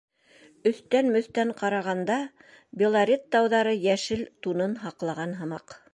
Өҫтән-мөҫтән ҡарағанда, Белорет тауҙары йәшел тунын һаҡлаған һымаҡ.